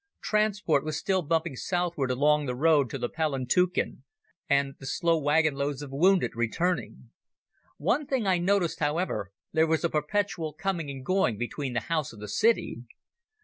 Transport was still bumping southward along the road to the Palantuken, and the slow wagon loads of wounded returning. One thing I noticed, however; there was a perpetual coming and going between the house and the city.